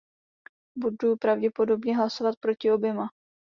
Budu pravděpodobně hlasovat proti oběma.